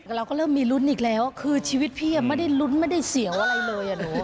เราก็เริ่มมีลุ้นอีกแล้วคือชีวิตพี่ไม่ได้ลุ้นไม่ได้เสียวอะไรเลย